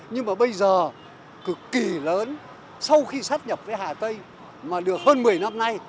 nhưng mà bây giờ cực kỳ lớn sau khi sát nhập với hà tây mà được hơn một mươi năm nay